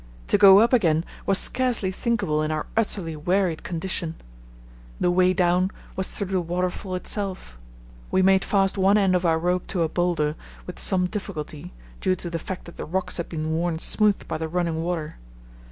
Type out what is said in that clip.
To go up again was scarcely thinkable in our utterly wearied condition. The way down was through the waterfall itself. We made fast one end of our rope to a boulder with some difficulty, due to the fact that the rocks had been worn smooth by the running water.